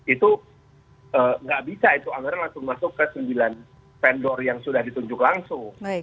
itu nggak bisa itu anggaran langsung masuk ke sembilan vendor yang sudah ditunjuk langsung